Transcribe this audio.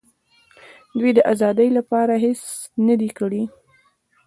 دوی د آزادۍ لپاره هېڅ نه دي کړي.